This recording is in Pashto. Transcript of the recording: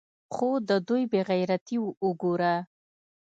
خو د دوى بې غيرتي اوګوره.